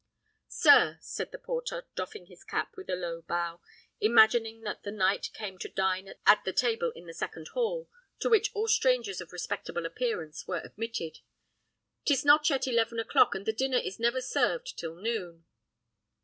"Sir," said the porter, doffing his cap with a low bow, imagining that the knight came to dine at the table in the second hall, to which all strangers of respectable appearance were admitted; "'tis not yet eleven o'clock, and the dinner is never served till noon."